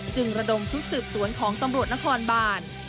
ระดมชุดสืบสวนของตำรวจนครบาน